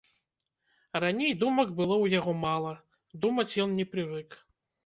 Раней думак было ў яго мала, думаць ён не прывык.